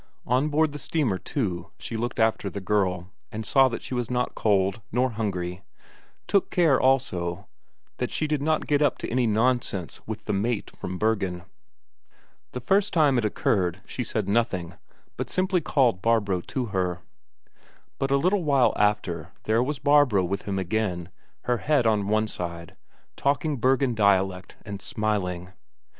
On board the steamer, too, she looked after the girl, and saw that she was not cold, nor hungry; took care, also, that she did not get up to any nonsense with the mate from Bergen. The first time it occurred, she said nothing, but simply called Barbro to her. But a little while after there was Barbro with him again, her head on one side, talking Bergen dialect and smiling.